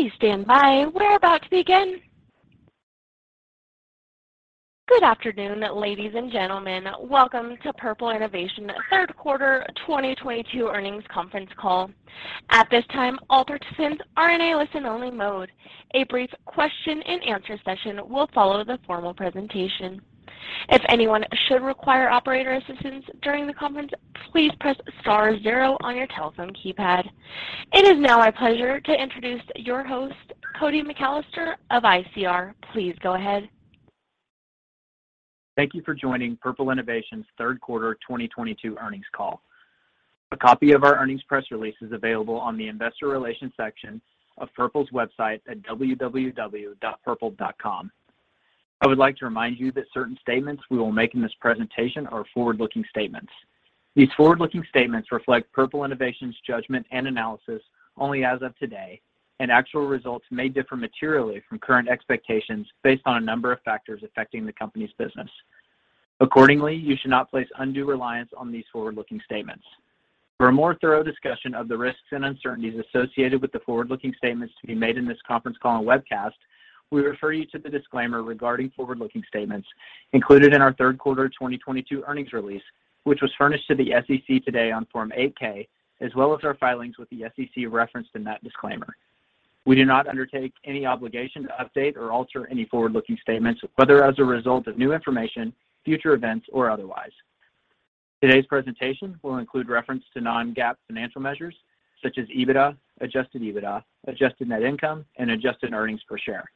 Please stand by. We're about to begin. Good afternoon, ladies and gentlemen. Welcome to Purple Innovation third quarter 2022 earnings conference call. At this time, all participants are in a listen-only mode. A brief question and answer session will follow the formal presentation. If anyone should require operator assistance during the conference, please press star zero on your telephone keypad. It is now my pleasure to introduce your host, Cody McAlester of ICR. Please go ahead. Thank you for joining Purple Innovation's third quarter 2022 earnings call. A copy of our earnings press release is available on the investor relations section of Purple's website at www.purple.com. I would like to remind you that certain statements we will make in this presentation are forward-looking statements. These forward-looking statements reflect Purple Innovation's judgment and analysis only as of today, and actual results may differ materially from current expectations based on a number of factors affecting the company's business. Accordingly, you should not place undue reliance on these forward-looking statements. For a more thorough discussion of the risks and uncertainties associated with the forward-looking statements to be made in this conference call and webcast, we refer you to the disclaimer regarding forward-looking statements included in our third quarter of 2022 earnings release, which was furnished to the SEC today on Form 8-K, as well as our filings with the SEC referenced in that disclaimer. We do not undertake any obligation to update or alter any forward-looking statements, whether as a result of new information, future events, or otherwise. Today's presentation will include reference to non-GAAP financial measures such as EBITDA, adjusted EBITDA, adjusted net income, and adjusted earnings per share.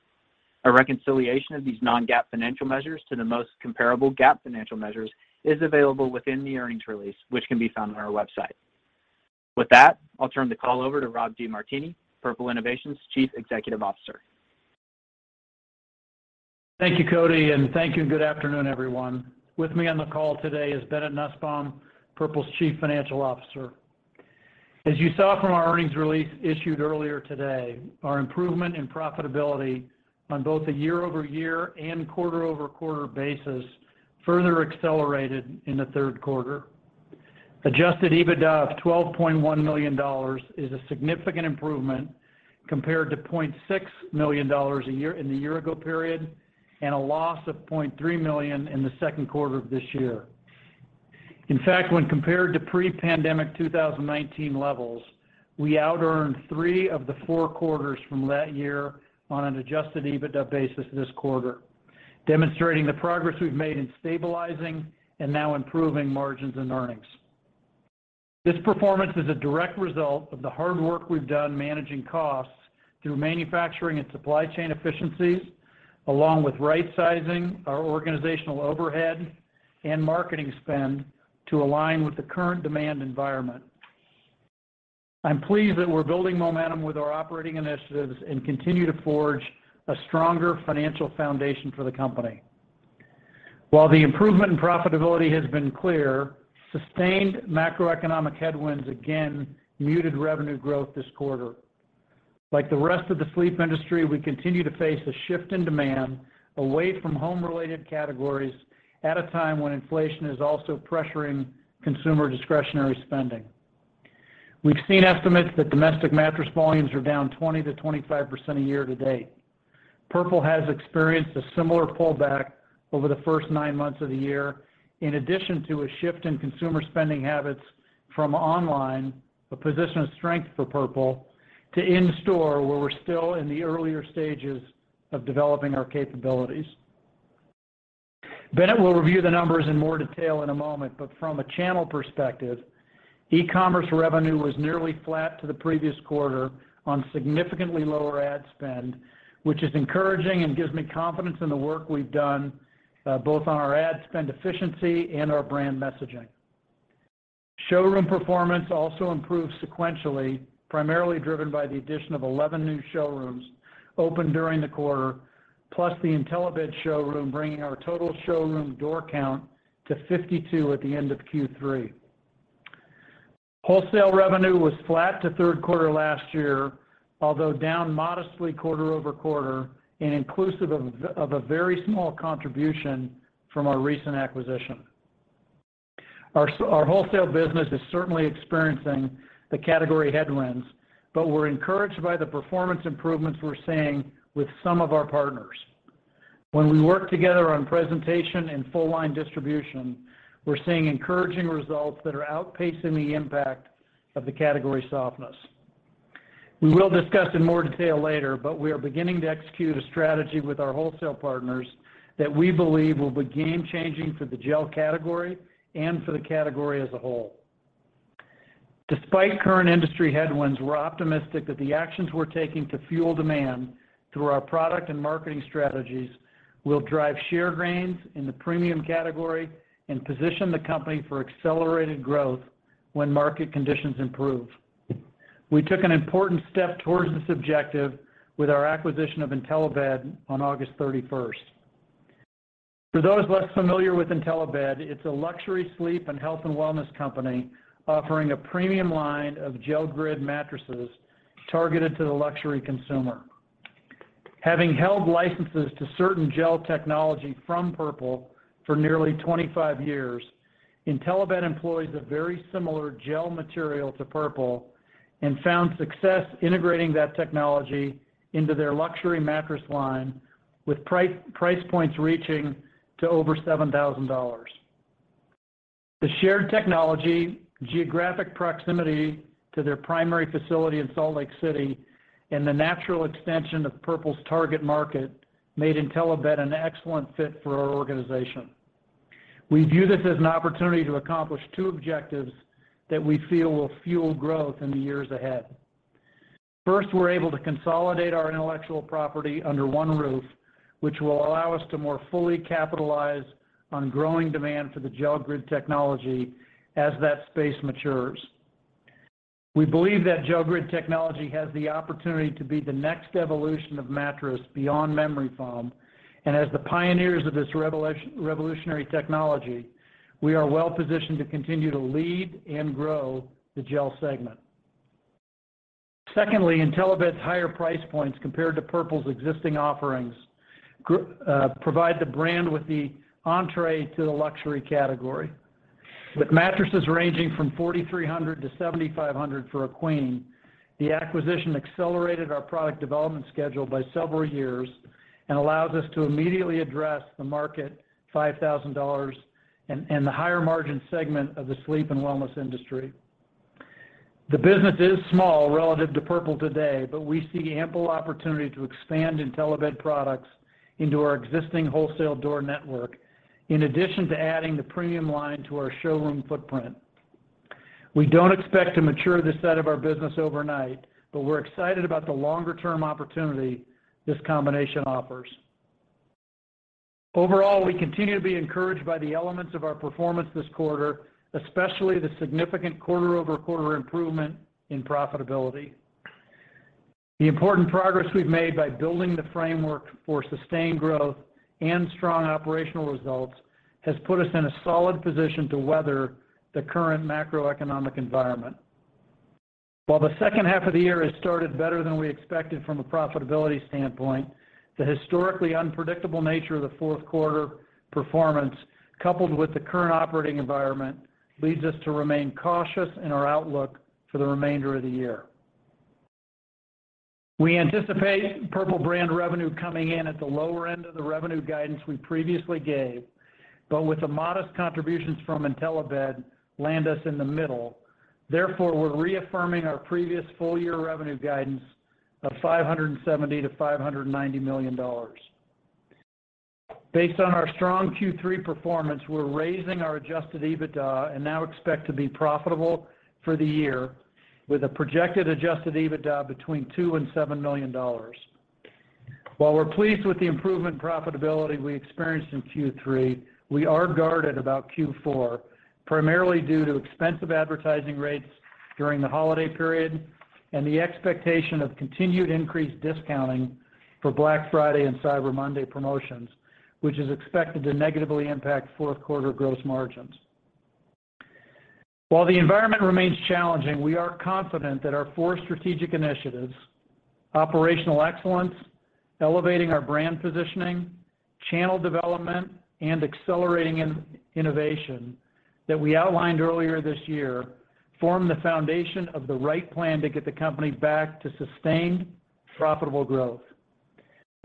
A reconciliation of these non-GAAP financial measures to the most comparable GAAP financial measures is available within the earnings release, which can be found on our website. With that, I'll turn the call over to Rob DeMartini, Purple Innovation's Chief Executive Officer. Thank you, Cody, and thank you, and good afternoon, everyone. With me on the call today is Bennett Nussbaum, Purple's Chief Financial Officer. As you saw from our earnings release issued earlier today, our improvement in profitability on both a year-over-year and quarter-over-quarter basis further accelerated in the third quarter. Adjusted EBITDA of $12.1 million is a significant improvement compared to $0.6 million a year ago in the year-ago period, and a loss of $0.3 million in the second quarter of this year. In fact, when compared to pre-pandemic 2019 levels, we out-earned three of the four quarters from that year on an adjusted EBITDA basis this quarter, demonstrating the progress we've made in stabilizing and now improving margins and earnings. This performance is a direct result of the hard work we've done managing costs through manufacturing and supply chain efficiencies, along with right-sizing our organizational overhead and marketing spend to align with the current demand environment. I'm pleased that we're building momentum with our operating initiatives and continue to forge a stronger financial foundation for the company. While the improvement in profitability has been clear, sustained macroeconomic headwinds again muted revenue growth this quarter. Like the rest of the sleep industry, we continue to face a shift in demand away from home-related categories at a time when inflation is also pressuring consumer discretionary spending. We've seen estimates that domestic mattress volumes are down 20%-25% a year-to-date. Purple has experienced a similar pullback over the first nine months of the year, in addition to a shift in consumer spending habits from online, a position of strength for Purple, to in-store, where we're still in the earlier stages of developing our capabilities. Bennett will review the numbers in more detail in a moment, but from a channel perspective, e-commerce revenue was nearly flat to the previous quarter on significantly lower ad spend, which is encouraging and gives me confidence in the work we've done, both on our ad spend efficiency and our brand messaging. Showroom performance also improved sequentially, primarily driven by the addition of 11 new showrooms opened during the quarter, plus the Intellibed showroom, bringing our total showroom door count to 52 at the end of Q3. Wholesale revenue was flat to third quarter last year, although down modestly quarter over quarter and inclusive of a very small contribution from our recent acquisition. Our wholesale business is certainly experiencing the category headwinds, but we're encouraged by the performance improvements we're seeing with some of our partners. When we work together on presentation and full line distribution, we're seeing encouraging results that are outpacing the impact of the category softness. We will discuss in more detail later, but we are beginning to execute a strategy with our wholesale partners that we believe will be game changing for the gel category and for the category as a whole. Despite current industry headwinds, we're optimistic that the actions we're taking to fuel demand through our product and marketing strategies will drive share gains in the premium category and position the company for accelerated growth when market conditions improve. We took an important step towards this objective with our acquisition of Intellibed on August thirty-first. For those less familiar with Intellibed, it's a luxury sleep and health and wellness company offering a premium line of Gel Grid mattresses targeted to the luxury consumer. Having held licenses to certain gel technology from Purple for nearly 25 years, Intellibed employs a very similar gel material to Purple and found success integrating that technology into their luxury mattress line with price points reaching to over $7,000. The shared technology, geographic proximity to their primary facility in Salt Lake City, and the natural extension of Purple's target market made Intellibed an excellent fit for our organization. We view this as an opportunity to accomplish two objectives that we feel will fuel growth in the years ahead. First, we're able to consolidate our intellectual property under one roof, which will allow us to more fully capitalize on growing demand for the Gel Grid technology as that space matures. We believe that Gel Grid technology has the opportunity to be the next evolution of mattress beyond memory foam, and as the pioneers of this revolutionary technology, we are well-positioned to continue to lead and grow the gel segment. Secondly, Intellibed's higher price points compared to Purple's existing offerings provide the brand with the entrée to the luxury category. With mattresses ranging from $4,300-$7,500 for a queen, the acquisition accelerated our product development schedule by several years and allows us to immediately address the market $5,000 and the higher margin segment of the sleep and wellness industry. The business is small relative to Purple today, but we see ample opportunity to expand Intellibed products into our existing wholesale door network in addition to adding the premium line to our showroom footprint. We don't expect to mature this side of our business overnight, but we're excited about the longer term opportunity this combination offers. Overall, we continue to be encouraged by the elements of our performance this quarter, especially the significant quarter-over-quarter improvement in profitability. The important progress we've made by building the framework for sustained growth and strong operational results has put us in a solid position to weather the current macroeconomic environment. While the second half of the year has started better than we expected from a profitability standpoint, the historically unpredictable nature of the fourth quarter performance, coupled with the current operating environment, leads us to remain cautious in our outlook for the remainder of the year. We anticipate Purple brand revenue coming in at the lower end of the revenue guidance we previously gave, but with the modest contributions from Intellibed landing us in the middle. Therefore, we're reaffirming our previous full-year revenue guidance of $570 million-$590 million. Based on our strong Q3 performance, we're raising our adjusted EBITDA and now expect to be profitable for the year with a projected adjusted EBITDA between $2 million and $7 million. While we're pleased with the improvement in profitability we experienced in Q3, we are guarded about Q4, primarily due to expensive advertising rates during the holiday period and the expectation of continued increased discounting for Black Friday and Cyber Monday promotions, which is expected to negatively impact fourth quarter gross margins. While the environment remains challenging, we are confident that our four strategic initiatives, operational excellence, elevating our brand positioning, channel development, and accelerating innovation that we outlined earlier this year form the foundation of the right plan to get the company back to sustained, profitable growth.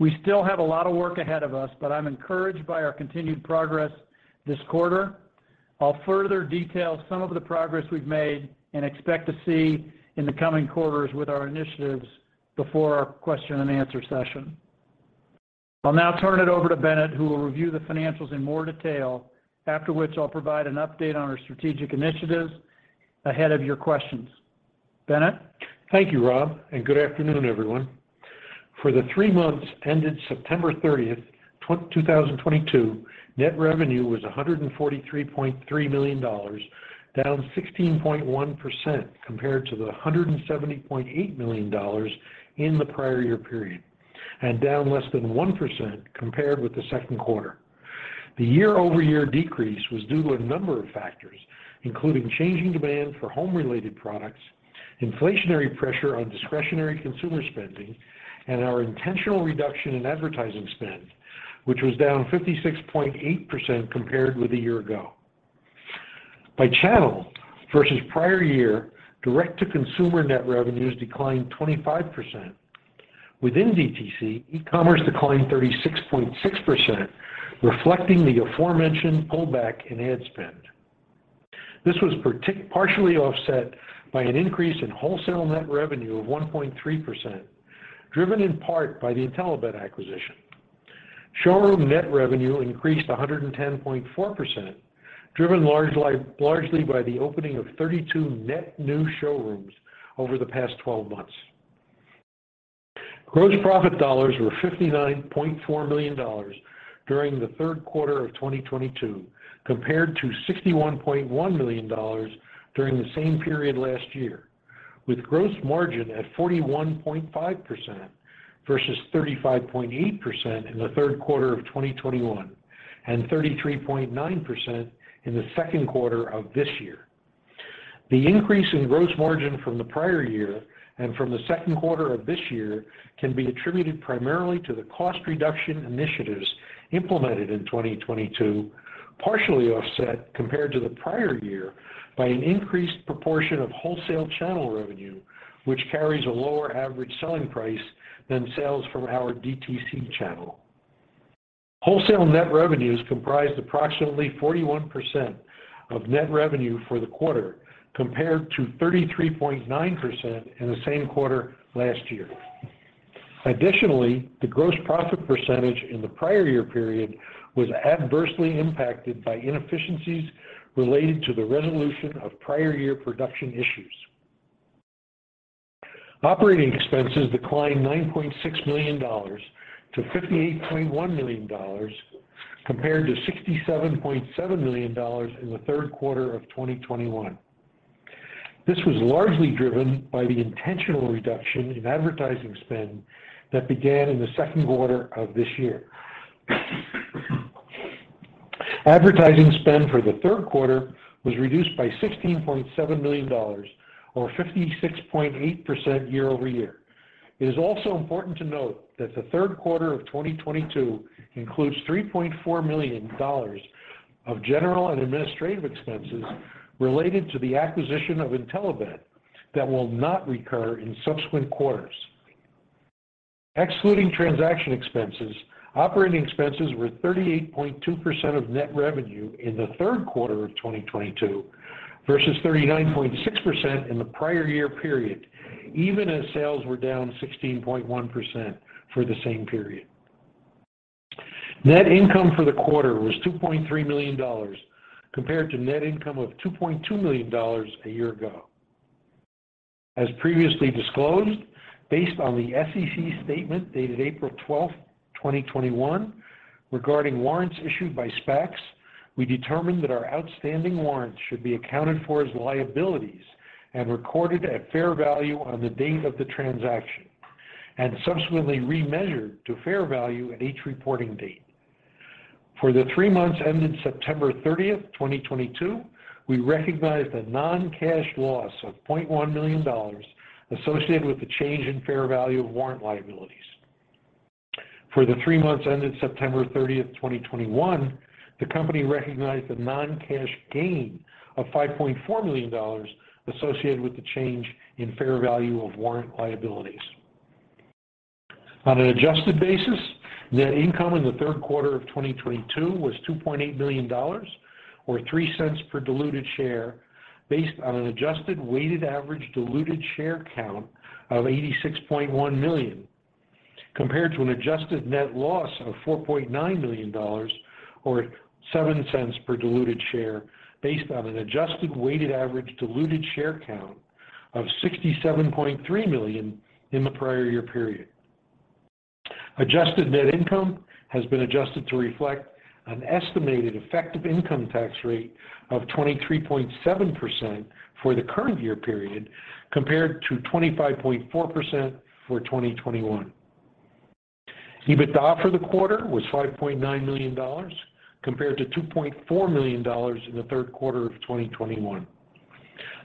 We still have a lot of work ahead of us, but I'm encouraged by our continued progress this quarter. I'll further detail some of the progress we've made and expect to see in the coming quarters with our initiatives before our question and answer session. I'll now turn it over to Bennett, who will review the financials in more detail, after which I'll provide an update on our strategic initiatives ahead of your questions. Bennett? Thank you, Rob, and good afternoon, everyone. For the three months ended September 30th, 2022, net revenue was $143.3 million, down 16.1% compared to the $170.8 million in the prior year period and down less than 1% compared with the second quarter. The year-over-year decrease was due to a number of factors, including changing demand for home-related products, inflationary pressure on discretionary consumer spending, and our intentional reduction in advertising spend, which was down 56.8% compared with a year ago. By channel versus prior year, direct-to-consumer net revenues declined 25%. Within DTC, e-commerce declined 36.6%, reflecting the aforementioned pullback in ad spend. This was partially offset by an increase in wholesale net revenue of 1.3%, driven in part by the Intellibed acquisition. Showroom net revenue increased 110.4%, driven largely by the opening of 32 net new showrooms over the past 12 months. Gross profit dollars were $59.4 million during the third quarter of 2022, compared to $61.1 million during the same period last year, with gross margin at 41.5% versus 35.8% in the third quarter of 2021 and 33.9% in the second quarter of this year. The increase in gross margin from the prior year and from the second quarter of this year can be attributed primarily to the cost reduction initiatives implemented in 2022, partially offset compared to the prior year by an increased proportion of wholesale channel revenue, which carries a lower average selling price than sales from our DTC channel. Wholesale net revenue is comprised approximately 41% of net revenue for the quarter compared to 33.9% in the same quarter last year. Additionally, the gross profit percentage in the prior year period was adversely impacted by inefficiencies related to the resolution of prior year production issues. Operating expenses declined $9.6 million to $58.1 million compared to $67.7 million in the third quarter of 2021. This was largely driven by the intentional reduction in advertising spend that began in the second quarter of this year. Advertising spend for the third quarter was reduced by $16.7 million or 56.8% year-over-year. It is also important to note that the third quarter of 2022 includes $3.4 million of general and administrative expenses related to the acquisition of Intellibed that will not recur in subsequent quarters. Excluding transaction expenses, operating expenses were 38.2% of net revenue in the third quarter of 2022 versus 39.6% in the prior year period, even as sales were down 16.1% for the same period. Net income for the quarter was $2.3 million compared to net income of $2.2 million a year ago. As previously disclosed, based on the SEC statement dated April 12th, 2021 regarding warrants issued by SPACs, we determined that our outstanding warrants should be accounted for as liabilities and recorded at fair value on the date of the transaction, and subsequently remeasured to fair value at each reporting date. For the three months ended September 30th, 2022, we recognized a non-cash loss of $0.1 million associated with the change in fair value of warrant liabilities. For the three months ended September 30th, 2021, the company recognized a non-cash gain of $5.4 million associated with the change in fair value of warrant liabilities. On an adjusted basis, net income in the third quarter of 2022 was $2.8 million or $0.03 per diluted share based on an adjusted weighted average diluted share count of 86.1 million, compared to an adjusted net loss of $4.9 million or $0.07 per diluted share based on an adjusted weighted average diluted share count of 67.3 million in the prior year period. Adjusted net income has been adjusted to reflect an estimated effective income tax rate of 23.7% for the current year period compared to 25.4% for 2021. EBITDA for the quarter was $5.9 million compared to $2.4 million in the third quarter of 2021.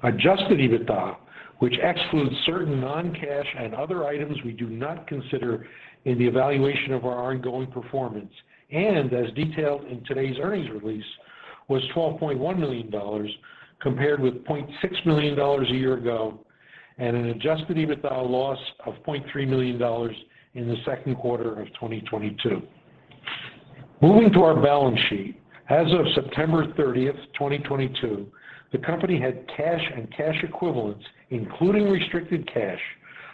Adjusted EBITDA, which excludes certain non-cash and other items we do not consider in the evaluation of our ongoing performance, and as detailed in today's earnings release, was $12.1 million compared with $0.6 million a year ago and an adjusted EBITDA loss of $0.3 million in the second quarter of 2022. Moving to our balance sheet. As of September 30th, 2022, the company had cash and cash equivalents, including restricted cash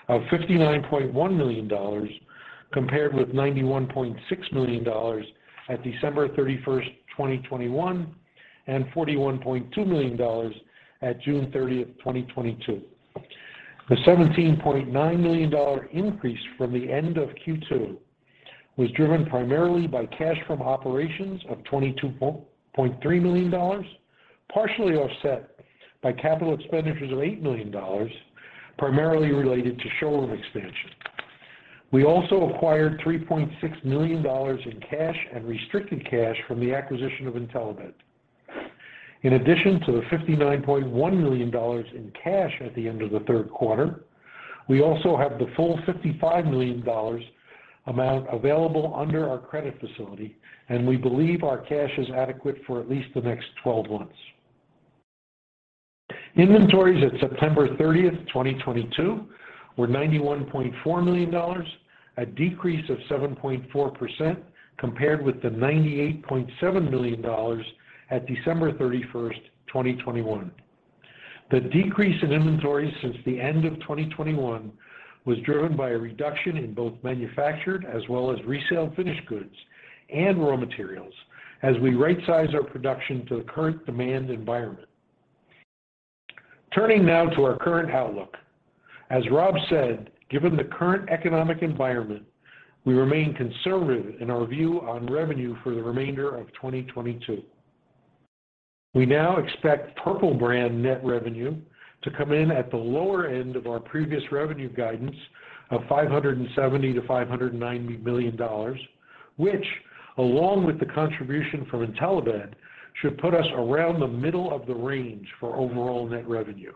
of $59.1 million compared with $91.6 million at December 31st, 2021 and $41.2 million at June 30th, 2022. The $17.9 million increase from the end of Q2 was driven primarily by cash from operations of $22.3 million, partially offset by capital expenditures of $8 million, primarily related to showroom expansion. We also acquired $3.6 million in cash and restricted cash from the acquisition of Intellibed. In addition to the $59.1 million in cash at the end of the third quarter, we also have the full $55 million amount available under our credit facility, and we believe our cash is adequate for at least the next 12 months. Inventories at September 30th, 2022 were $91.4 million, a decrease of 7.4% compared with the $98.7 million at December 31st, 2021. The decrease in inventories since the end of 2021 was driven by a reduction in both manufactured as well as resaled finished goods and raw materials as we rightsize our production to the current demand environment. Turning now to our current outlook. As Rob said, given the current economic environment, we remain conservative in our view on revenue for the remainder of 2022. We now expect Purple brand net revenue to come in at the lower end of our previous revenue guidance of $570 million-$590 million. Which, along with the contribution from Intellibed, should put us around the middle of the range for overall net revenue.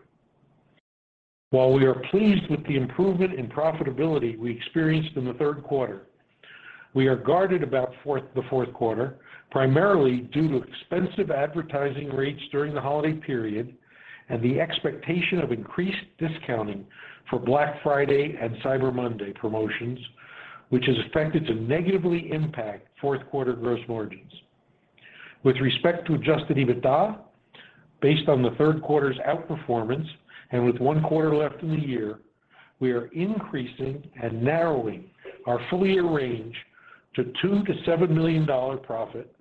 While we are pleased with the improvement in profitability we experienced in the third quarter, we are guarded about the fourth quarter, primarily due to expensive advertising rates during the holiday period and the expectation of increased discounting for Black Friday and Cyber Monday promotions, which is expected to negatively impact fourth quarter gross margins. With respect to adjusted EBITDA, based on the third quarter's outperformance and with one quarter left in the year, we are increasing and narrowing our full-year range to $2 million-$7 million profit,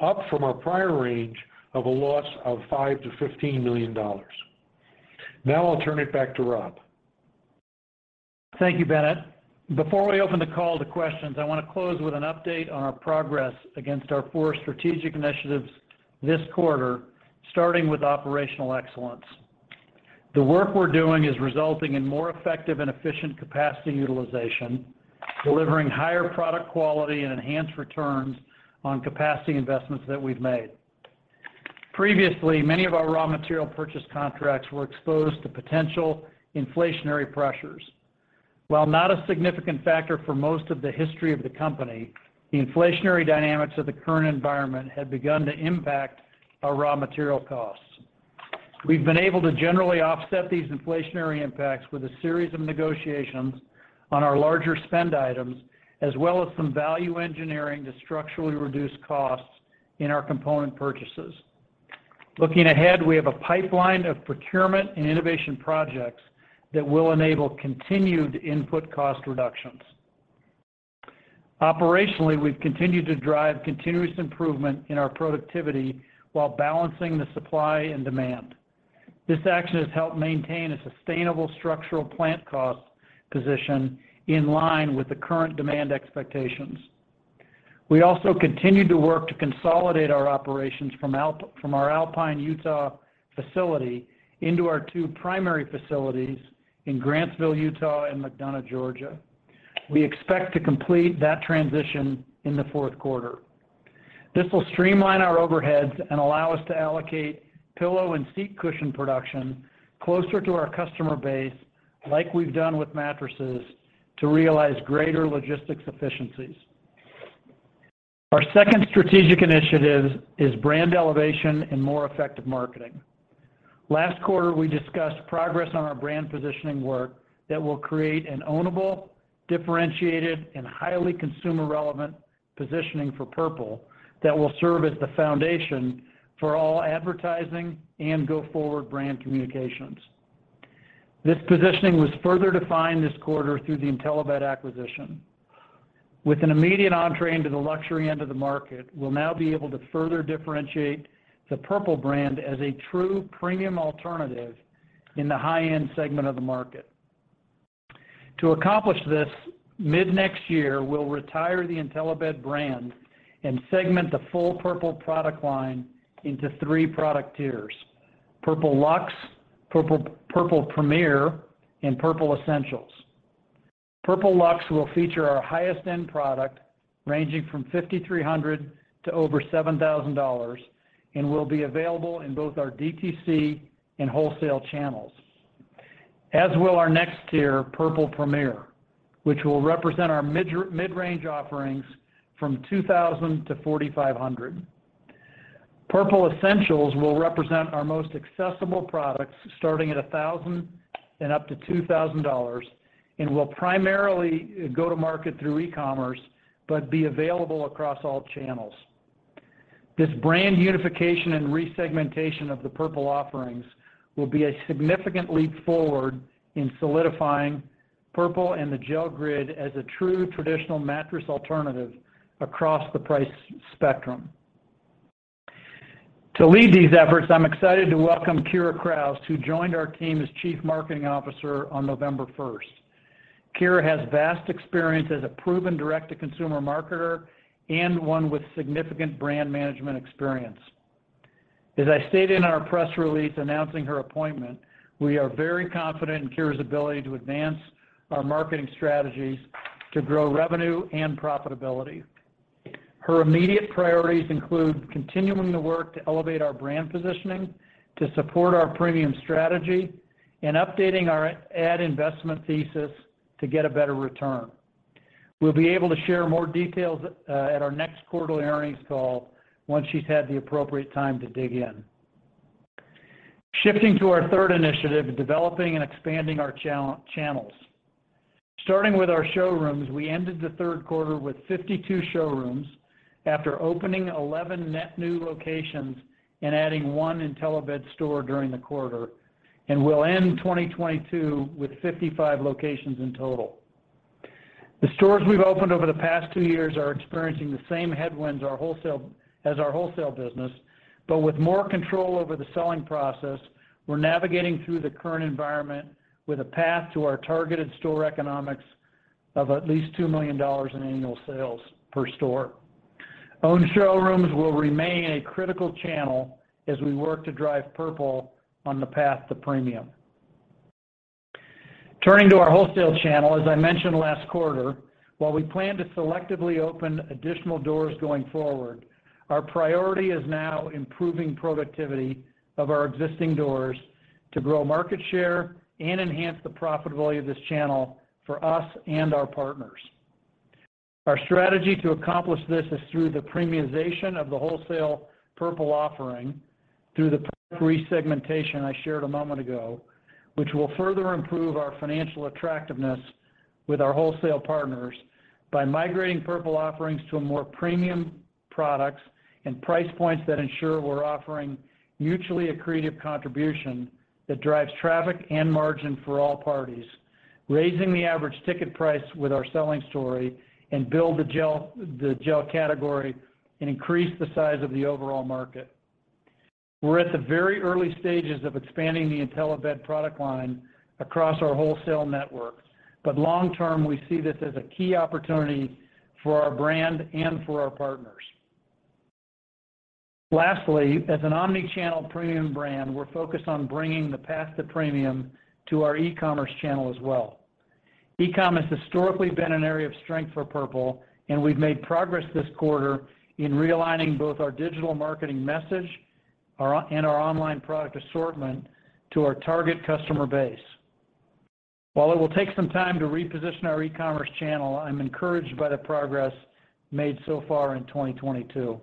up from our prior range of a loss of $5 million-$15 million. Now I'll turn it back to Rob. Thank you, Bennett. Before we open the call to questions, I wanna close with an update on our progress against our four strategic initiatives this quarter, starting with operational excellence. The work we're doing is resulting in more effective and efficient capacity utilization, delivering higher product quality and enhanced returns on capacity investments that we've made. Previously, many of our raw material purchase contracts were exposed to potential inflationary pressures. While not a significant factor for most of the history of the company, the inflationary dynamics of the current environment had begun to impact our raw material costs. We've been able to generally offset these inflationary impacts with a series of negotiations on our larger spend items, as well as some value engineering to structurally reduce costs in our component purchases. Looking ahead, we have a pipeline of procurement and innovation projects that will enable continued input cost reductions. Operationally, we've continued to drive continuous improvement in our productivity while balancing the supply and demand. This action has helped maintain a sustainable structural plant cost position in line with the current demand expectations. We also continued to work to consolidate our operations from our Alpine, Utah facility into our two primary facilities in Grantsville, Utah and McDonough, Georgia. We expect to complete that transition in the fourth quarter. This will streamline our overheads and allow us to allocate pillow and seat cushion production closer to our customer base, like we've done with mattresses, to realize greater logistics efficiencies. Our second strategic initiative is brand elevation and more effective marketing. Last quarter, we discussed progress on our brand positioning work that will create an ownable, differentiated, and highly consumer-relevant positioning for Purple that will serve as the foundation for all advertising and go-forward brand communications. This positioning was further defined this quarter through the Intellibed acquisition. With an immediate entry into the luxury end of the market, we'll now be able to further differentiate the Purple brand as a true premium alternative in the high-end segment of the market. To accomplish this, mid-next year, we'll retire the Intellibed brand and segment the full Purple product line into three product tiers: Purple Luxe, Purple Premier, and Purple Essentials. Purple Luxe will feature our highest-end product ranging from $5,300 to over $7,000 and will be available in both our DTC and wholesale channels. As will our next tier, Purple Premier, which will represent our mid-range offerings from $2,000-$4,500. Purple Essentials will represent our most accessible products starting at $1,000 and up to $2,000 and will primarily go to market through e-commerce, but be available across all channels. This brand unification and resegmentation of the Purple offerings will be a significant leap forward in solidifying Purple and the Gel Grid as a true traditional mattress alternative across the price spectrum. To lead these efforts, I'm excited to welcome Keira Krausz, who joined our team as Chief Marketing Officer on November first. Keira has vast experience as a proven direct-to-consumer marketer and one with significant brand management experience. As I stated in our press release announcing her appointment, we are very confident in Keira's ability to advance our marketing strategies to grow revenue and profitability. Her immediate priorities include continuing the work to elevate our brand positioning, to support our premium strategy, and updating our ad investment thesis to get a better return. We'll be able to share more details at our next quarterly earnings call once she's had the appropriate time to dig in. Shifting to our third initiative, developing and expanding our channels. Starting with our showrooms, we ended the third quarter with 52 showrooms after opening 11 net new locations and adding one Intellibed store during the quarter, and we'll end 2022 with 55 locations in total. The stores we've opened over the past two years are experiencing the same headwinds as our wholesale business, but with more control over the selling process, we're navigating through the current environment with a path to our targeted store economics of at least $2 million in annual sales per store. Owned showrooms will remain a critical channel as we work to drive Purple on the path to premium. Turning to our wholesale channel, as I mentioned last quarter, while we plan to selectively open additional doors going forward, our priority is now improving productivity of our existing doors to grow market share and enhance the profitability of this channel for us and our partners. Our strategy to accomplish this is through the premiumization of the wholesale Purple offering through the product segmentation I shared a moment ago, which will further improve our financial attractiveness with our wholesale partners by migrating Purple offerings to more premium products and price points that ensure we're offering mutually accretive contribution that drives traffic and margin for all parties, raising the average ticket price with our selling story and build the GelFlex category and increase the size of the overall market. We're at the very early stages of expanding the Intellibed product line across our wholesale network, but long term, we see this as a key opportunity for our brand and for our partners. Lastly, as an omni-channel premium brand, we're focused on bringing the path to premium to our e-commerce channel as well. E-com has historically been an area of strength for Purple, and we've made progress this quarter in realigning both our digital marketing message and our online product assortment to our target customer base. While it will take some time to reposition our e-commerce channel, I'm encouraged by the progress made so far in 2022.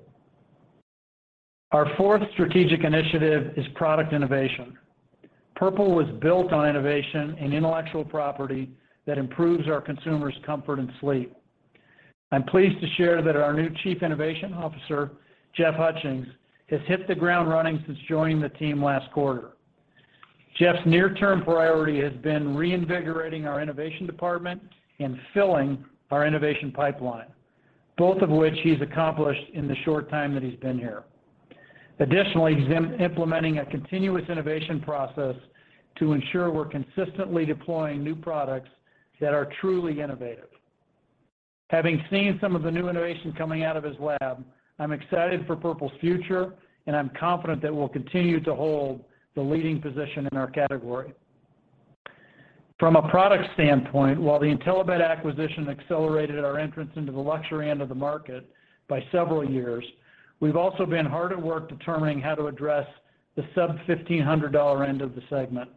Our fourth strategic initiative is product innovation. Purple was built on innovation and intellectual property that improves our consumers' comfort and sleep. I'm pleased to share that our new Chief Innovation Officer, Jeff Hutchings, has hit the ground running since joining the team last quarter. Jeff's near-term priority has been reinvigorating our innovation department and filling our innovation pipeline, both of which he's accomplished in the short time that he's been here. Additionally, he's implementing a continuous innovation process to ensure we're consistently deploying new products that are truly innovative. Having seen some of the new innovations coming out of his lab, I'm excited for Purple's future, and I'm confident that we'll continue to hold the leading position in our category. From a product standpoint, while the Intellibed acquisition accelerated our entrance into the luxury end of the market by several years, we've also been hard at work determining how to address the sub-$1,500 end of the segment.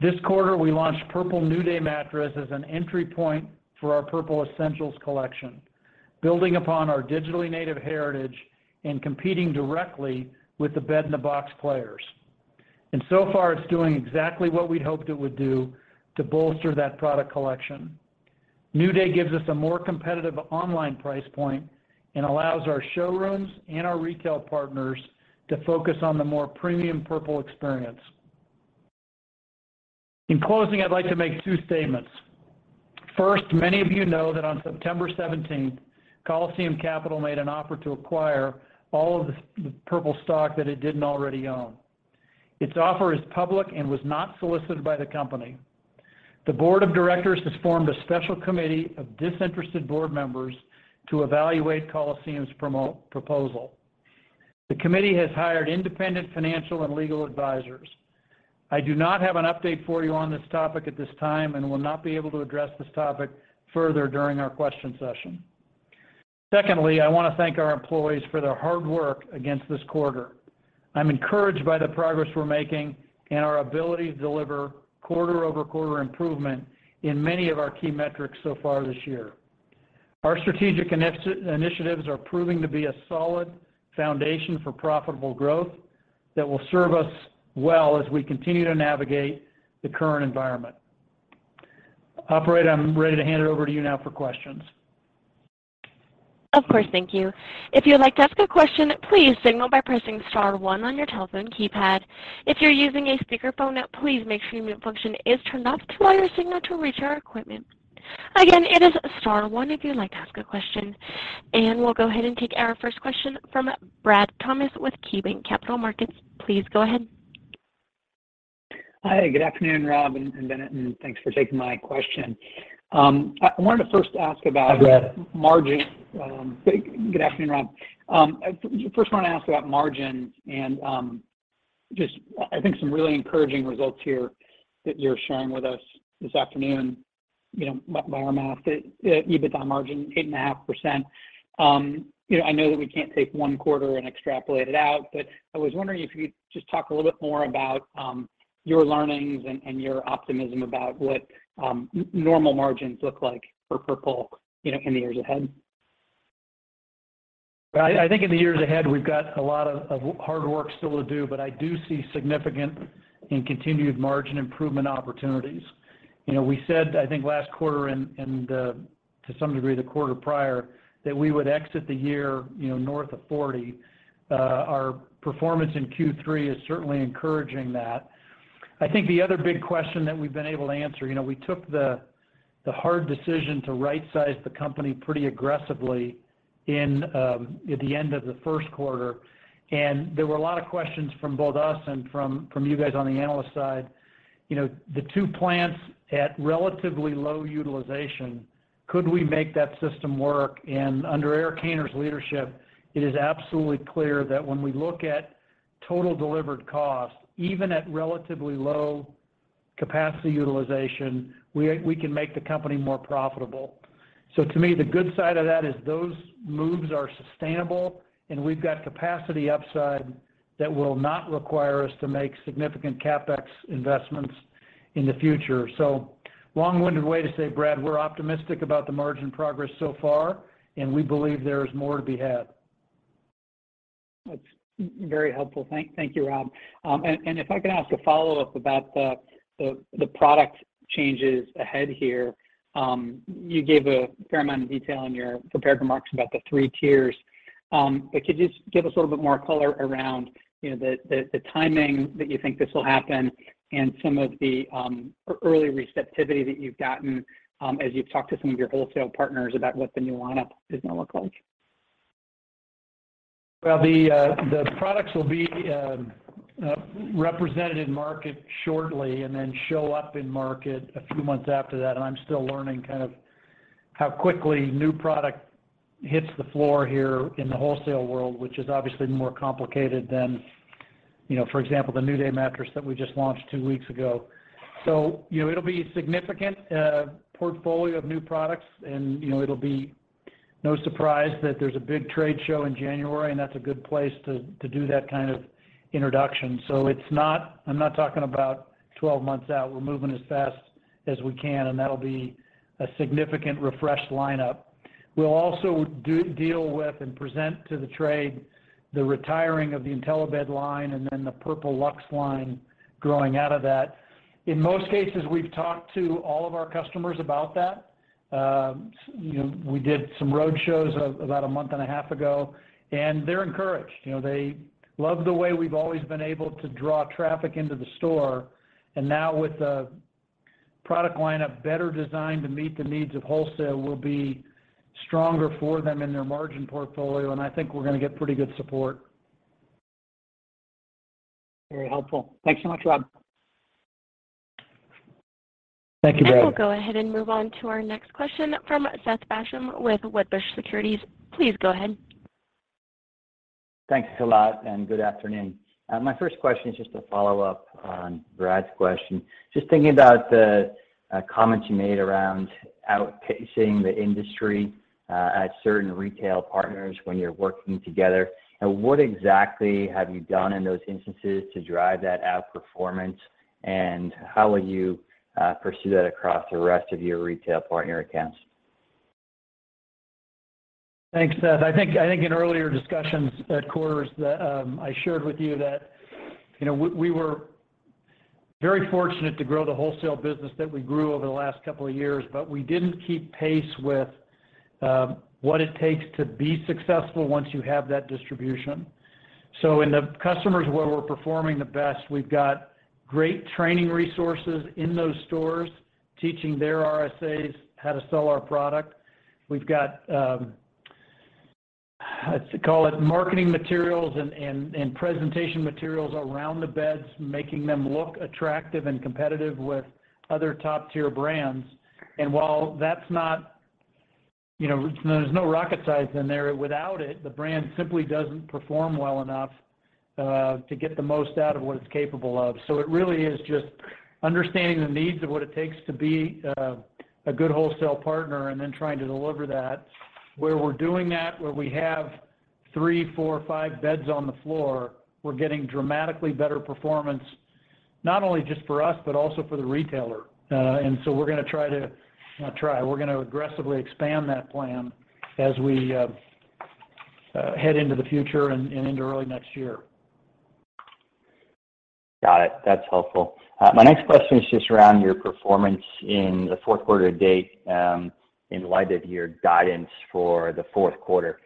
This quarter, we launched Purple NewDay Mattress as an entry point for our Purple Essentials collection, building upon our digitally native heritage and competing directly with the bed-in-a-box players. So far, it's doing exactly what we'd hoped it would do to bolster that product collection. NewDay gives us a more competitive online price point and allows our showrooms and our retail partners to focus on the more premium Purple experience. In closing, I'd like to make two statements. First, many of you know that on September 17th, Coliseum Capital made an offer to acquire all of the Purple stock that it didn't already own. Its offer is public and was not solicited by the company. The board of directors has formed a special committee of disinterested board members to evaluate Coliseum's proposal. The committee has hired independent financial and legal advisors. I do not have an update for you on this topic at this time and will not be able to address this topic further during our question session. Secondly, I want to thank our employees for their hard work against this quarter. I'm encouraged by the progress we're making and our ability to deliver quarter-over-quarter improvement in many of our key metrics so far this year. Our strategic initiatives are proving to be a solid foundation for profitable growth that will serve us well as we continue to navigate the current environment. Operator, I'm ready to hand it over to you now for questions. Of course. Thank you. If you would like to ask a question, please signal by pressing star one on your telephone keypad. If you're using a speakerphone, please make sure your mute function is turned off to allow your signal to reach our equipment. Again, it is star one if you'd like to ask a question. We'll go ahead and take our first question from Bradley Thomas with KeyBanc Capital Markets. Please go ahead. Hi. Good afternoon, Rob and Bennett, and thanks for taking my question. I wanted to first ask about- Hi, Brad. margin. Good afternoon, Rob. First wanna ask about margin and just I think some really encouraging results here that you're sharing with us this afternoon. You know, by our math, the EBITDA margin 8.5%. You know, I know that we can't take one quarter and extrapolate it out, but I was wondering if you could just talk a little bit more about your learnings and your optimism about what normal margins look like for Purple, you know, in the years ahead. I think in the years ahead, we've got a lot of hard work still to do, but I do see significant and continued margin improvement opportunities. You know, we said, I think last quarter and to some degree the quarter prior, that we would exit the year, you know, north of 40%. Our performance in Q3 is certainly encouraging that. I think the other big question that we've been able to answer, you know, we took the hard decision to right-size the company pretty aggressively at the end of the first quarter, and there were a lot of questions from both us and from you guys on the analyst side. You know, the two plants at relatively low utilization, could we make that system work? Under Eric Haynor's leadership, it is absolutely clear that when we look at total delivered cost, even at relatively low capacity utilization, we can make the company more profitable. To me, the good side of that is those moves are sustainable, and we've got capacity upside that will not require us to make significant CapEx investments in the future. Long-winded way to say, Brad, we're optimistic about the margin progress so far, and we believe there is more to be had. That's very helpful. Thank you, Rob. If I could ask a follow-up about the product changes ahead here. You gave a fair amount of detail in your prepared remarks about the three tiers. Could you just give us a little bit more color around, you know, the timing that you think this will happen and some of the early receptivity that you've gotten, as you've talked to some of your wholesale partners about what the new lineup is gonna look like? Well, the products will be represented in market shortly and then show up in market a few months after that, and I'm still learning kind of how quickly new product hits the floor here in the wholesale world, which is obviously more complicated than, you know, for example, the NewDay mattress that we just launched two weeks ago. You know, it'll be a significant portfolio of new products and, you know, it'll be no surprise that there's a big trade show in January, and that's a good place to do that kind of introduction. It's not. I'm not talking about 12 months out. We're moving as fast as we can, and that'll be a significant refresh lineup. We'll also deal with and present to the trade the retiring of the Intellibed line and then the Purple Luxe line growing out of that. In most cases, we've talked to all of our customers about that. You know, we did some road shows about a month and a half ago, and they're encouraged. You know, they love the way we've always been able to draw traffic into the store, and now with a product lineup better designed to meet the needs of wholesale, we'll be stronger for them in their margin portfolio, and I think we're gonna get pretty good support. Very helpful. Thanks so much, Rob. Thank you, Brad. We'll go ahead and move on to our next question from Seth Basham with Wedbush Securities. Please go ahead. Thanks a lot, and good afternoon. My first question is just a follow-up on Brad's question. Just thinking about the comments you made around outpacing the industry at certain retail partners when you're working together. Now, what exactly have you done in those instances to drive that outperformance, and how will you pursue that across the rest of your retail partner accounts? Thanks, Seth. I think in earlier discussions at quarters that I shared with you that, you know, we were very fortunate to grow the wholesale business that we grew over the last couple of years, but we didn't keep pace with what it takes to be successful once you have that distribution. In the customers where we're performing the best, we've got great training resources in those stores teaching their RSAs how to sell our product. We've got let's call it marketing materials and presentation materials around the beds, making them look attractive and competitive with other top-tier brands. While that's not. You know, there's no rocket science in there. Without it, the brand simply doesn't perform well enough to get the most out of what it's capable of. It really is just understanding the needs of what it takes to be a good wholesale partner and then trying to deliver that. Where we're doing that, where we have three, four, five beds on the floor, we're getting dramatically better performance, not only just for us, but also for the retailer. We're gonna aggressively expand that plan as we head into the future and into early next year. Got it. That's helpful. My next question is just around your performance in the fourth quarter to date, in light of your guidance for the fourth quarter.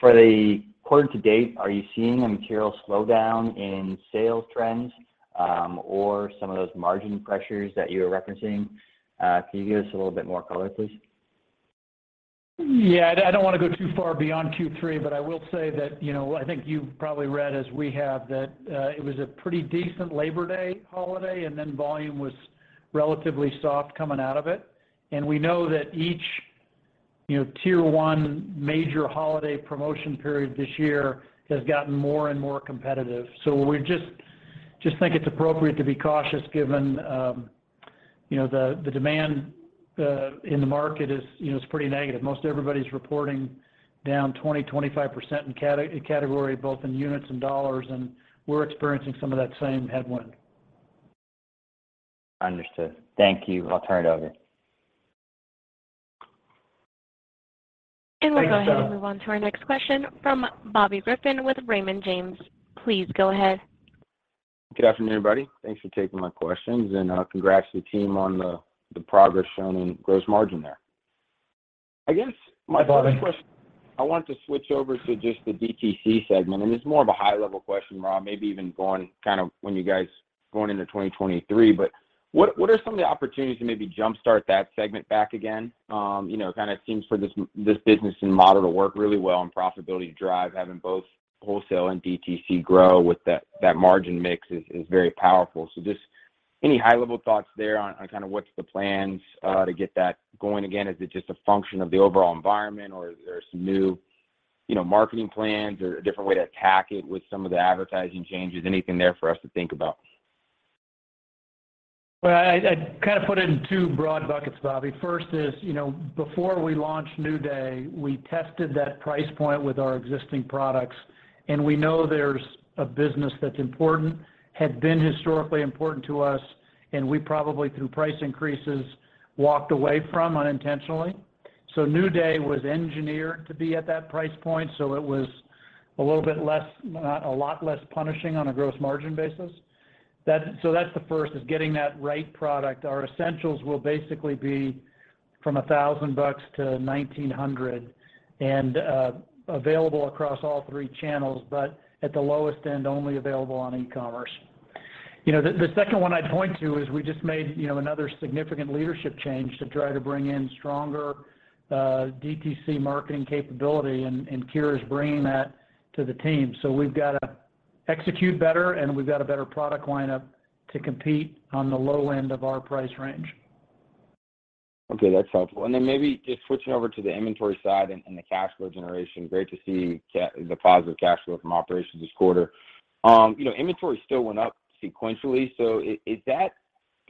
For the quarter to date, are you seeing a material slowdown in sales trends, or some of those margin pressures that you were referencing? Can you give us a little bit more color, please? Yeah. I don't wanna go too far beyond Q3, but I will say that, you know, I think you've probably read, as we have, that it was a pretty decent Labor Day holiday, and then volume was relatively soft coming out of it. We know that each, you know, tier one major holiday promotion period this year has gotten more and more competitive. We just think it's appropriate to be cautious given, you know, the demand in the market is pretty negative. Most everybody's reporting down 20%-25% in category, both in units and dollars, and we're experiencing some of that same headwind. Understood. Thank you. I'll turn it over. We'll go ahead and move on to our next question from Bobby Griffin with Raymond James. Please go ahead. Good afternoon, everybody. Thanks for taking my questions, and congrats to the team on the progress shown in gross margin there. I guess my first question. Hi, Bobby. I wanted to switch over to just the DTC segment, and it's more of a high-level question, Rob, maybe even going kind of when you guys going into 2023. What are some of the opportunities to maybe jumpstart that segment back again? You know, kind of seems for this business and model to work really well and profitability to drive, having both wholesale and DTC grow with that margin mix is very powerful. Just any high-level thoughts there on kind of what's the plans to get that going again? Is it just a function of the overall environment, or there's some new, you know, marketing plans or a different way to attack it with some of the advertising changes? Anything there for us to think about? I'd kind of put it in two broad buckets, Bobby. First is, you know, before we launched Purple NewDay, we tested that price point with our existing products, and we know there's a business that's important, had been historically important to us, and we probably through price increases, walked away from unintentionally. Purple NewDay was engineered to be at that price point, so it was a little bit less, a lot less punishing on a gross margin basis. That's the first, is getting that right product. Our essentials will basically be from $1,000-$1,900, available across all three channels, but at the lowest end, only available on e-commerce. You know, the second one I'd point to is we just made, you know, another significant leadership change to try to bring in stronger DTC marketing capability, and Keira's bringing that to the team. We've got to execute better, and we've got a better product line-up to compete on the low end of our price range. Okay. That's helpful. Maybe just switching over to the inventory side and the cash flow generation. Great to see the positive cash flow from operations this quarter. You know, inventory still went up sequentially.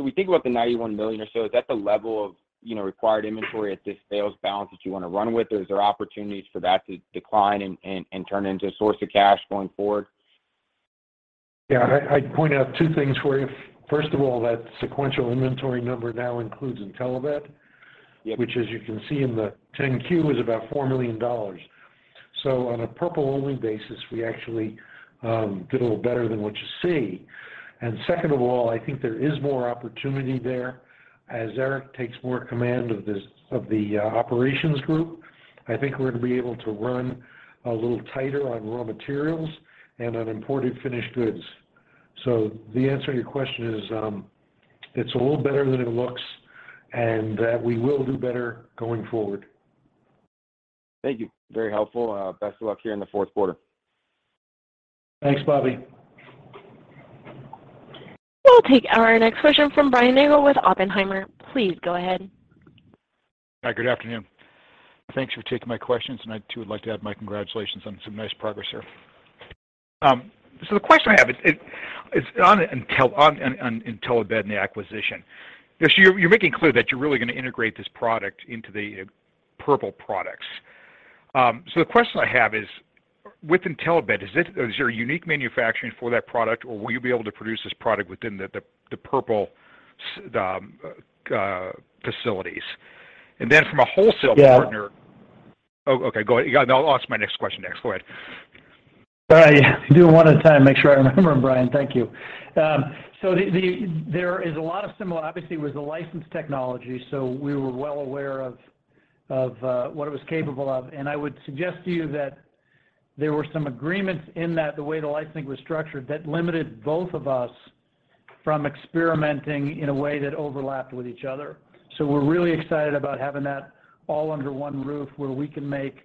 We think about the $91 million or so, is that the level of, you know, required inventory at this sales balance that you wanna run with? Or is there opportunities for that to decline and turn into a source of cash going forward? Yeah. I'd point out two things for you. First of all, that sequential inventory number now includes Intellibed. Yep. Which, as you can see in the 10-Q, is about $4 million. On a Purple-only basis, we actually did a little better than what you see. Second of all, I think there is more opportunity there. As Eric takes more command of the operations group, I think we're gonna be able to run a little tighter on raw materials and on imported finished goods. The answer to your question is, it's a little better than it looks, and that we will do better going forward. Thank you. Very helpful. Best of luck here in the fourth quarter. Thanks, Bobby. We'll take our next question from Brian Nagel with Oppenheimer. Please go ahead. Hi, good afternoon. Thanks for taking my questions, and I too would like to add my congratulations on some nice progress here. The question I have is on Intellibed and the acquisition. You're making clear that you're really gonna integrate this product into the Purple products. The question I have is, with Intellibed, is there a unique manufacturing for that product, or will you be able to produce this product within the Purple facilities? Then from a wholesale partner- Yeah. Oh, okay. Go ahead. I'll ask my next question next. Go ahead. All right. Do one at a time, make sure I remember them, Brian. Thank you. There is a lot of similar. Obviously, it was a licensed technology, so we were well aware of what it was capable of. I would suggest to you that there were some agreements in that, the way the licensing was structured, that limited both of us from experimenting in a way that overlapped with each other. We're really excited about having that all under one roof where we can make,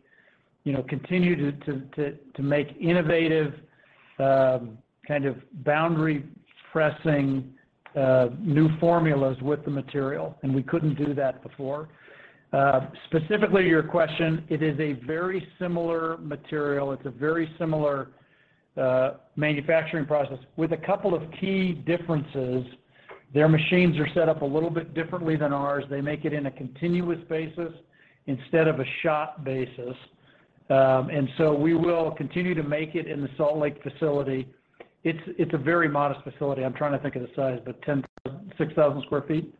you know, continue to make innovative, kind of boundary-pressing, new formulas with the material, and we couldn't do that before. Specifically to your question, it is a very similar material. It's a very similar manufacturing process with a couple of key differences. Their machines are set up a little bit differently than ours. They make it in a continuous basis instead of a batch basis. We will continue to make it in the Salt Lake facility. It's a very modest facility. I'm trying to think of the size, but 6,000 sq ft.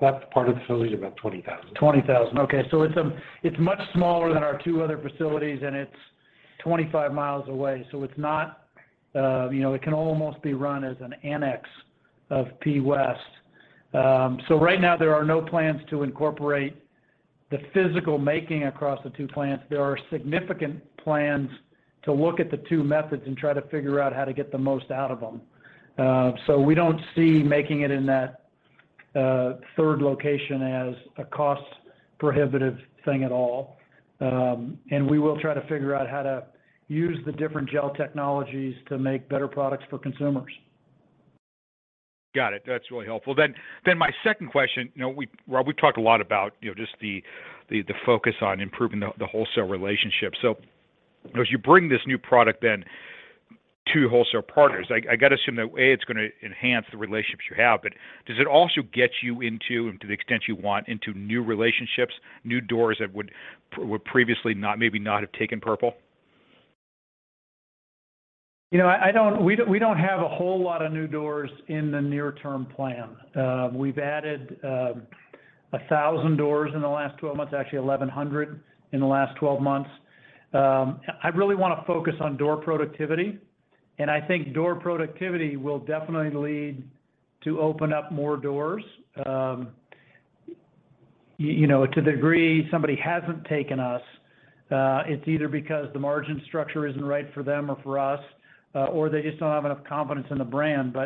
That part of the facility is about 20,000 sq ft. 20,000 sq ft. Okay. It's much smaller than our two other facilities, and it's 25 mi away. It's not, you know, it can almost be run as an annex of P West. Right now there are no plans to incorporate the physical making across the two plants. There are significant plans to look at the two methods and try to figure out how to get the most out of them. We don't see making it in that third location as a cost prohibitive thing at all. We will try to figure out how to use the different gel technologies to make better products for consumers. Got it. That's really helpful. My second question. You know, Rob, we've talked a lot about, you know, just the focus on improving the wholesale relationship. So as you bring this new product then to wholesale partners, I gotta assume that, A, it's gonna enhance the relationships you have, but does it also get you into, and to the extent you want, into new relationships, new doors that would previously not, maybe not have taken Purple? You know, we don't have a whole lot of new doors in the near-term plan. We've added 1,000 doors in the last 12 months, actually 1,100 in the last 12 months. I really wanna focus on door productivity, and I think door productivity will definitely lead to open up more doors. You know, to the degree somebody hasn't taken us, it's either because the margin structure isn't right for them or for us, or they just don't have enough confidence in the brand.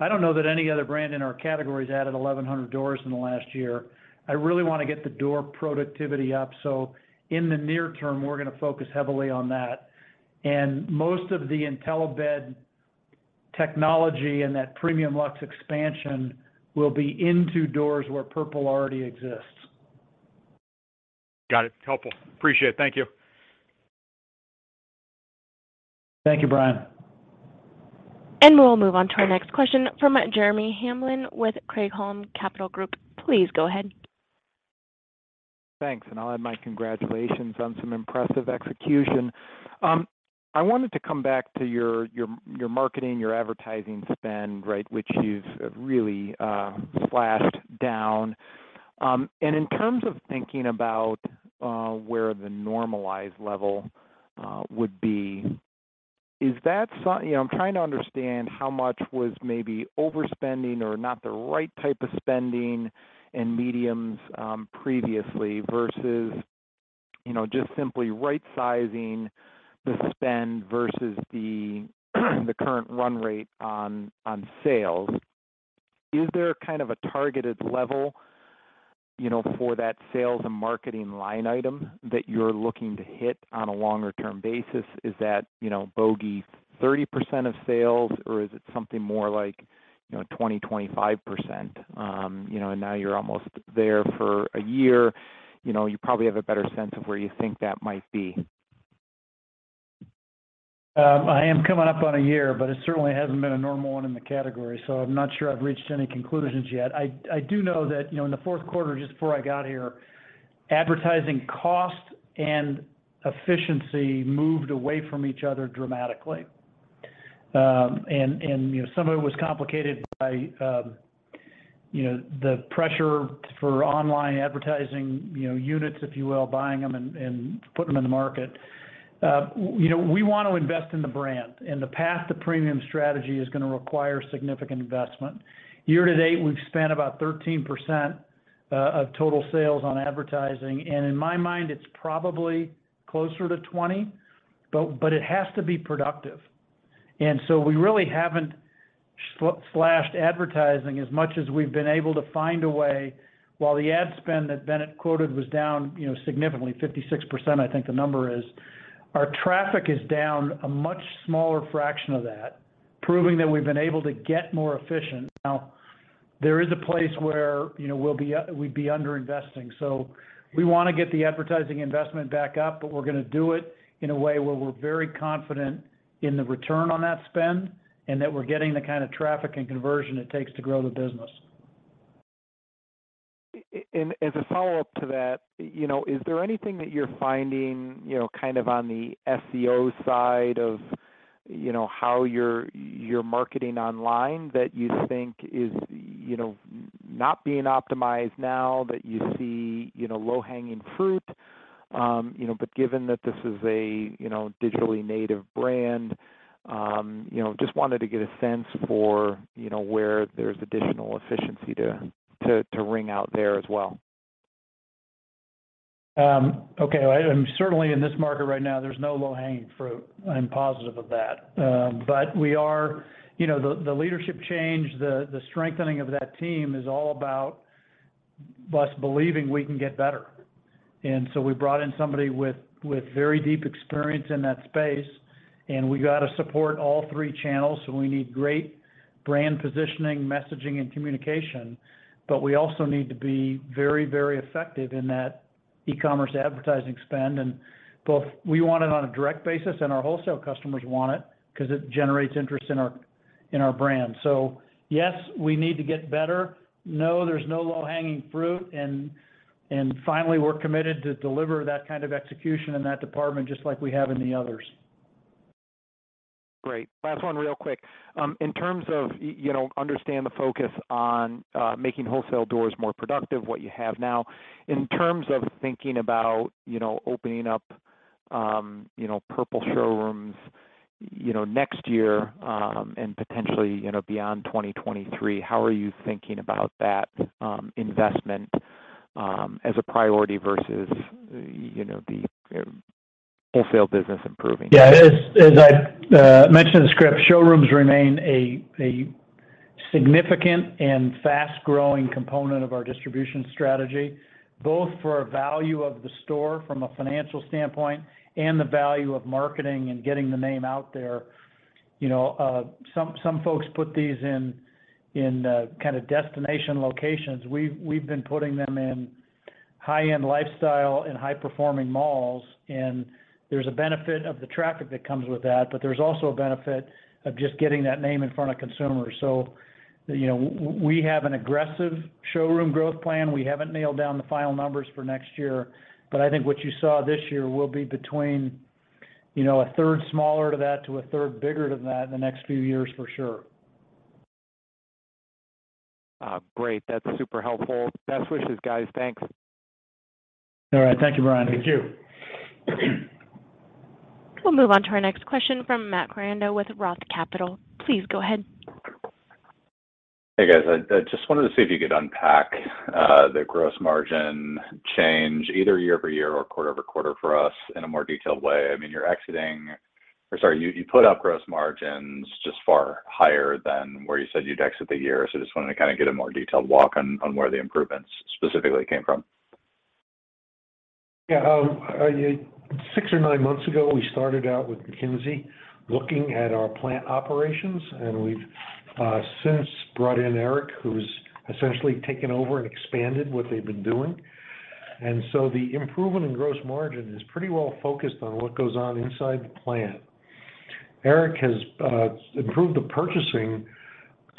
I don't know that any other brand in our category has added 1,100 doors in the last year. I really wanna get the door productivity up, so in the near term, we're gonna focus heavily on that. Most of the Intellibed technology and that Premium, Luxe expansion will be into doors where Purple already exists. Got it. Helpful. Appreciate it. Thank you. Thank you, Brian. We'll move on to our next question from Jeremy Hamblin with Craig-Hallum Capital Group. Please go ahead. Thanks. I'll add my congratulations on some impressive execution. I wanted to come back to your marketing, your advertising spend, right, which you've really slashed down. In terms of thinking about where the normalized level would be, you know, I'm trying to understand how much was maybe overspending or not the right type of spending and mediums previously versus, you know, just simply right-sizing the spend versus the current run rate on sales. Is there kind of a targeted level, you know, for that sales and marketing line item that you're looking to hit on a longer term basis? Is that, you know, bogey 30% of sales or is it something more like, you know, 20%-25%? You know, and now you're almost there for a year. You know, you probably have a better sense of where you think that might be. I am coming up on a year, but it certainly hasn't been a normal one in the category, so I'm not sure I've reached any conclusions yet. I do know that, you know, in the fourth quarter, just before I got here, advertising cost and efficiency moved away from each other dramatically. You know, some of it was complicated by, you know, the pressure for online advertising, you know, units, if you will, buying them and putting them in the market. You know, we want to invest in the brand, and the path to premium strategy is gonna require significant investment. Year-to-date, we've spent about 13% of total sales on advertising, and in my mind, it's probably closer to 20%, but it has to be productive. We really haven't slashed advertising as much as we've been able to find a way. While the ad spend that Bennett quoted was down, you know, significantly, 56%, I think the number is, our traffic is down a much smaller fraction of that, proving that we've been able to get more efficient. Now, there is a place where, you know, we'd be underinvesting. We wanna get the advertising investment back up, but we're gonna do it in a way where we're very confident in the return on that spend and that we're getting the kind of traffic and conversion it takes to grow the business. As a follow-up to that, you know, is there anything that you're finding, you know, kind of on the SEO side of, you know, how you're marketing online that you think is, you know, not being optimized now that you see, you know, low-hanging fruit? You know, given that this is a, you know, digitally native brand, you know, just wanted to get a sense for, you know, where there's additional efficiency to wring out there as well. Certainly in this market right now, there's no low-hanging fruit. I'm positive of that. You know, the leadership change, the strengthening of that team is all about us believing we can get better. We brought in somebody with very deep experience in that space, and we gotta support all three channels, so we need great brand positioning, messaging, and communication. We also need to be very, very effective in that e-commerce advertising spend. Both we want it on a direct basis and our wholesale customers want it 'cause it generates interest in our brand. Yes, we need to get better. No, there's no low-hanging fruit. Finally, we're committed to deliver that kind of execution in that department, just like we have in the others. Great. Last one real quick. In terms of, you know, understanding the focus on making wholesale doors more productive, what you have now. In terms of thinking about, you know, opening up, you know, Purple showrooms, you know, next year, and potentially, you know, beyond 2023, how are you thinking about that investment as a priority versus, you know, the wholesale business improving? Yeah. As I mentioned in the script, showrooms remain a significant and fast-growing component of our distribution strategy, both for value of the store from a financial standpoint and the value of marketing and getting the name out there. You know, some folks put these in kind of destination locations. We've been putting them in high-end lifestyle and high-performing malls, and there's a benefit of the traffic that comes with that, but there's also a benefit of just getting that name in front of consumers. You know, we have an aggressive showroom growth plan. We haven't nailed down the final numbers for next year, but I think what you saw this year will be between a third smaller than that to a third bigger than that in the next few years for sure. Great. That's super helpful. Best wishes, guys. Thanks. All right. Thank you, Brian. Thank you. We'll move on to our next question from Matthew Koranda with Roth Capital Partners. Please go ahead. Hey, guys. I just wanted to see if you could unpack the gross margin change either year-over-year or quarter-over-quarter for us in a more detailed way. I mean, you put up gross margins just far higher than where you said you'd exit the year. Just wanted to kinda get a more detailed walk on where the improvements specifically came from. Yeah, six or nine months ago, we started out with McKinsey looking at our plant operations, and we've since brought in Eric, who's essentially taken over and expanded what they've been doing. The improvement in gross margin is pretty well-focused on what goes on inside the plant. Eric has improved the purchasing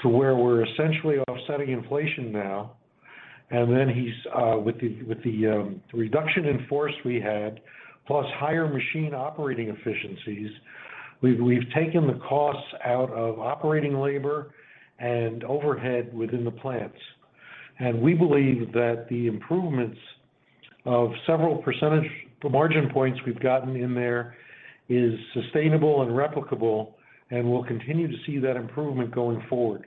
to where we're essentially offsetting inflation now. He's with the reduction in force we had, plus higher machine operating efficiencies, we've taken the costs out of operating labor and overhead within the plants. We believe that the improvements of several percentage points we've gotten in there is sustainable and replicable, and we'll continue to see that improvement going forward.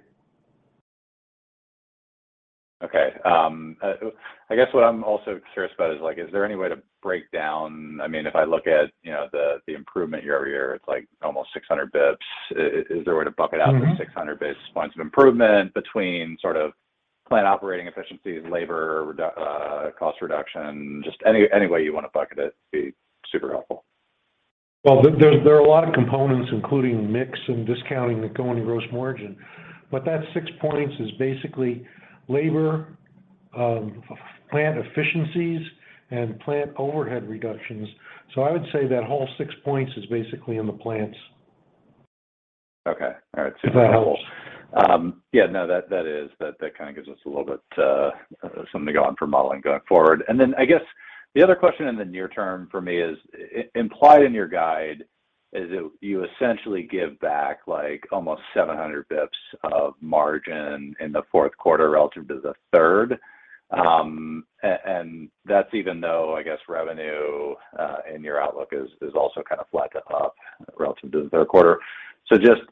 I guess what I'm also curious about is, like, is there any way to break down? I mean, if I look at the improvement year-over-year, it's like almost 600 basis points. Is there a way to bucket out? Mm-hmm the 600 basis points of improvement between sort of plant operating efficiency, labor cost reduction. Just any way you wanna bucket it would be super helpful. Well, there are a lot of components, including mix and discounting that go into gross margin. That six points is basically labor, plant efficiencies, and plant overhead reductions. I would say that whole six points is basically in the plants. Okay. All right. Is that helpful? That kind of gives us a little bit something to go on for modeling going forward. Then I guess the other question in the near term for me is implied in your guide is that you essentially give back, like, almost 700 basis points of margin in the fourth quarter relative to the third. And that's even though, I guess, revenue and your outlook is also kind of flat to up relative to the third quarter. Just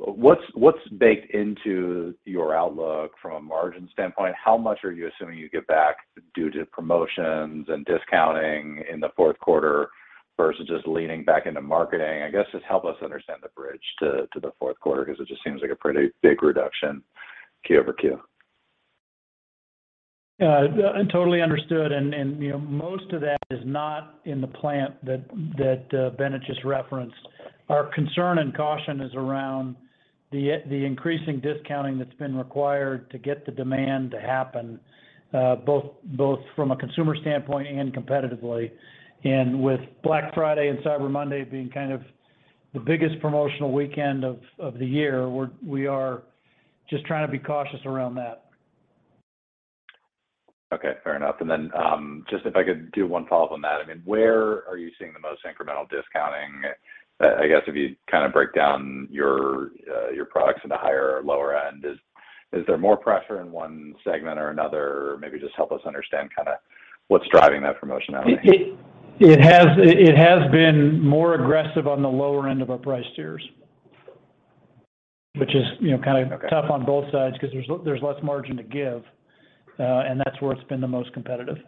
what's baked into your outlook from a margin standpoint? How much are you assuming you give back due to promotions and discounting in the fourth quarter versus just leaning back into marketing? I guess, just help us understand the bridge to the fourth quarter, because it just seems like a pretty big reduction quarter-over-quarter. Totally understood. You know, most of that is not in the plant that Bennett just referenced. Our concern and caution is around the increasing discounting that's been required to get the demand to happen, both from a consumer standpoint and competitively. With Black Friday and Cyber Monday being kind of the biggest promotional weekend of the year, we are just trying to be cautious around that. Okay, fair enough. Just if I could do one follow-up on that. I mean, where are you seeing the most incremental discounting? I guess if you kind of break down your products into higher or lower end, is there more pressure in one segment or another? Or maybe just help us understand kinda what's driving that promotion element. It has been more aggressive on the lower end of our price tiers. Which is, you know, kind of. Okay Tough on both sides 'cause there's less margin to give. That's where it's been the most competitive.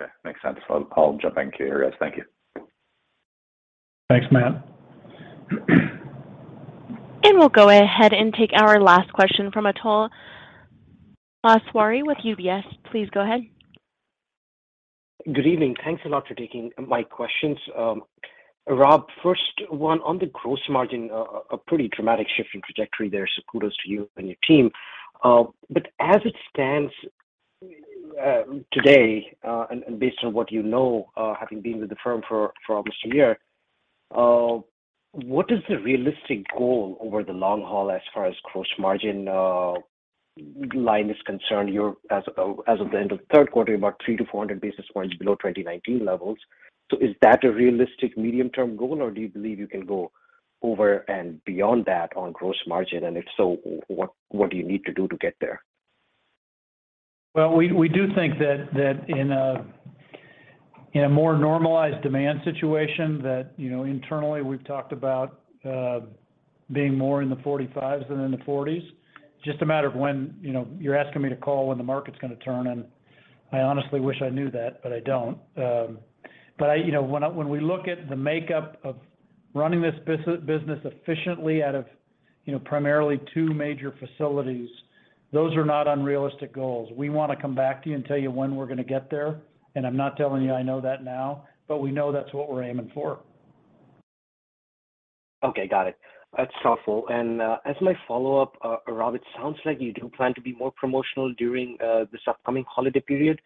Okay. Makes sense. I'll jump in Q areas. Thank you. Thanks, Matt. We'll go ahead and take our last question from Atul Maheswari with UBS. Please go ahead. Good evening. Thanks a lot for taking my questions. Rob, first one on the gross margin, a pretty dramatic shift in trajectory there, so kudos to you and your team. As it stands, today, and based on what you know, having been with the firm for almost a year, what is the realistic goal over the long haul as far as gross margin line is concerned? You're as of the end of the third quarter, you're about 300-400 basis points below 2019 levels. Is that a realistic medium-term goal, or do you believe you can go over and beyond that on gross margin? If so, what do you need to do to get there? Well, we do think that in a more normalized demand situation that you know internally we've talked about being more in the 45s than in the 40s. Just a matter of when, you know, you're asking me to call when the market's gonna turn, and I honestly wish I knew that, but I don't. You know, when we look at the makeup of running this business efficiently out of you know primarily two major facilities, those are not unrealistic goals. We wanna come back to you and tell you when we're gonna get there, and I'm not telling you I know that now, but we know that's what we're aiming for. Okay, got it. That's helpful. As my follow-up, Rob, it sounds like you do plan to be more promotional during this upcoming holiday period.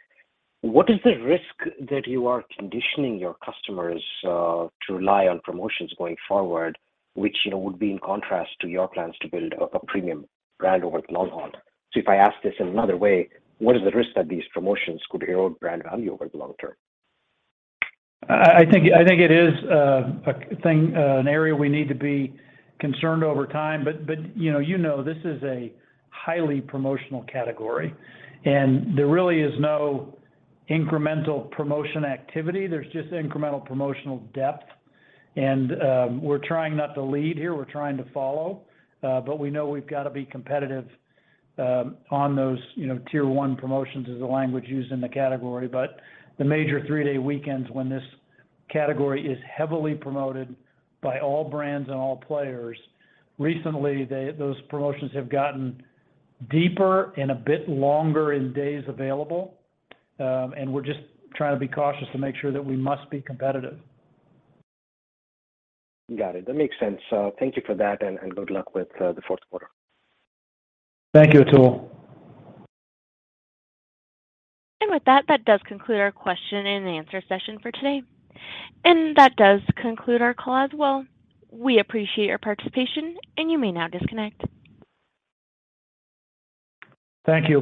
What is the risk that you are conditioning your customers to rely on promotions going forward, which, you know, would be in contrast to your plans to build a premium brand over the long haul? If I ask this in another way, what is the risk that these promotions could erode brand value over the long term? I think it is a thing, an area we need to be concerned over time. You know this is a highly promotional category. There really is no incremental promotion activity, there's just incremental promotional depth. We're trying not to lead here, we're trying to follow. We know we've gotta be competitive on those you know tier one promotions, is the language used in the category. The major three-day weekends when this category is heavily promoted by all brands and all players, recently those promotions have gotten deeper and a bit longer in days available. We're just trying to be cautious to make sure that we must be competitive. Got it. That makes sense. Thank you for that, and good luck with the fourth quarter. Thank you, Atul. With that does conclude our question-and-answer session for today. That does conclude our call as well. We appreciate your participation, and you may now disconnect. Thank you.